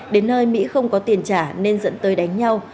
đến nơi mỹ không có tiền trả nên dẫn tới đánh nhau